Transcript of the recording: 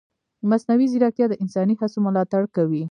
مصنوعي ځیرکتیا د انساني هڅو ملاتړ کوي.